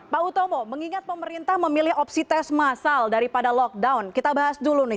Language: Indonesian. pak utomo mengingat pemerintah memilih opsi tes masal daripada lockdown kita bahas dulu nih